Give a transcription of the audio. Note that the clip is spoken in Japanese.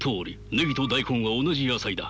ネギと大根は同じ野菜だ。